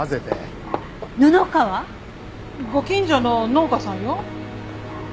ご近所の農家さんよ。